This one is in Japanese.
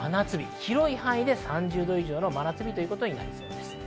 広い範囲で３０度以上の真夏日になりそうです。